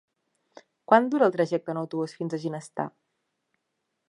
Quant dura el trajecte en autobús fins a Ginestar?